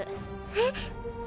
えっ？